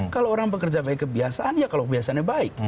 kalau orang bekerja pakai kebiasaan ya kalau kebiasaannya baik